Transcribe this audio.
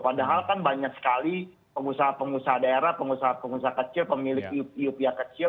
padahal kan banyak sekali pengusaha pengusaha daerah pengusaha pengusaha kecil pemilik iup kecil